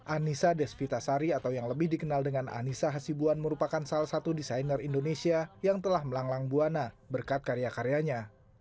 anissa desvitasari atau yang lebih dikenal dengan anissa hasibuan merupakan salah satu desainer indonesia yang telah melanglang buana berkat karya karyanya